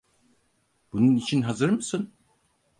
Bunun için hazır mısın?